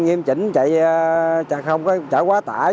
nhiệm chỉnh chạy không có chạy quá tải